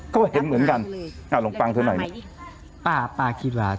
ก็เห็นเหมือนกันอ้าวลงฟังเธอหน่อยป้าป้าคิวะ